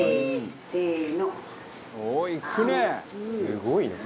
「すごいね」